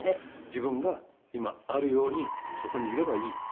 自分が今あるようにそこにいればいい。